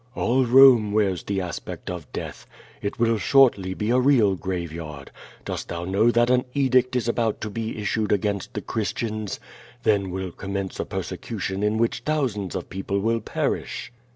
"All Rome wears the aspect of death. It will shortly be a real graveyard. Dost thou know that an edict is about to be issued against the Christians? Then will commence a perse cution in which thousands of people will perish."